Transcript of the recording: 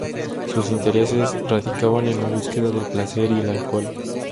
Sus intereses radicaban en la búsqueda del placer y el alcohol.